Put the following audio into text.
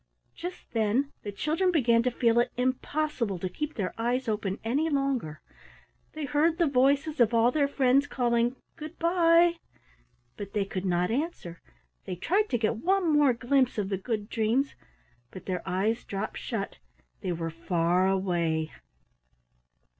Just then the children began to feel it impossible to keep their eyes open any longer. They heard the voices of all their friends calling "Good by", but they could not answer. They tried to get one more glimpse of the Good Dreams, but their eyes dropped shut they were far away.